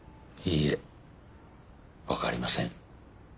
いいえ分かりません。